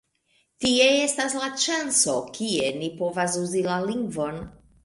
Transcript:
Tie estas la ŝanco, kie ni povas uzi la lingvon.